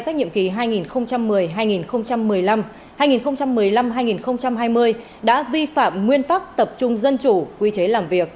nhiệm kỳ hai nghìn một mươi hai nghìn một mươi năm hai nghìn một mươi năm hai nghìn hai mươi đã vi phạm nguyên tắc tập trung dân chủ quy chế làm việc